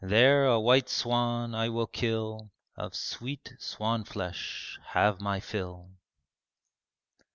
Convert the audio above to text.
There a white swan I will kill, Of sweet swan flesh have my fill."'